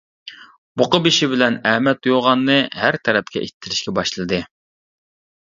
بۇقا بېشى بىلەن ئەمەت يوغاننى ھەر تەرەپكە ئىتتىرىشكە باشلىدى.